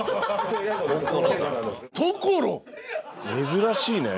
珍しいね。